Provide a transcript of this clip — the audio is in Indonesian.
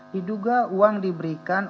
diduga uang diberikan